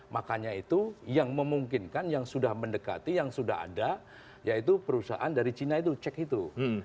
makanya itu yang memungkinkan yang sudah mendekati yang sudah ada yaitu perusahaan dari china itu cek itu